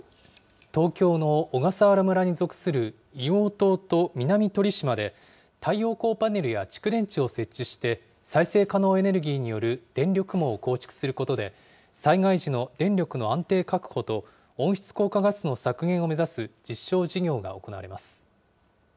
東京の小笠原村に属する硫黄島と南鳥島で、太陽光パネルや蓄電池を設置して、再生可能エネルギーによる電力網を構築することで、災害時の電力の安定確保と、温室効果ガスの削減を目指す実証事業が行われます。